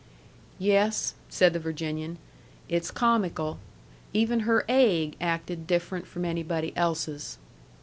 "Yes," said the Virginian, "it's comical. Even her aigg acted different from anybody else's."